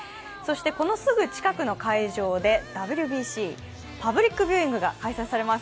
このすぐ近くの会場でＷＢＣパブリックビューイングが開催されます。